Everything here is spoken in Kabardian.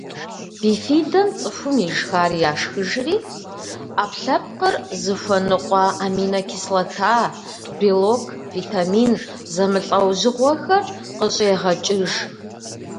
Бифидэм цӏыхум ишхар яшхыжри, ӏэпкълъэпкъыр зыхуэныкъуэ аминокислота, белок, витамин зэмылӏэужьыгъуэхэр къыщӏегъэкӏыж.